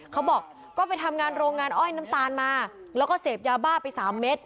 เขาบอกก็ไปทำงานโรงงานอ้อยน้ำตาลมาแล้วก็เสพยาบ้าไปสามเม็ด